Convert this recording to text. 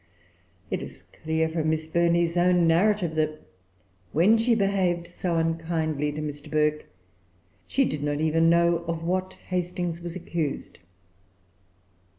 It is clear, from Miss Burney's own narrative, that, when she behaved so unkindly to Mr. Burke, she did not even know of what Hastings was accused.